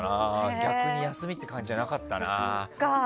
逆に休みっていう感じじゃなかったな。